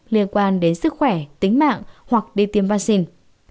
liên quan đến sức khỏe tính mạng hoặc đi tiêm vaccine